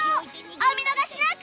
お見逃しなく！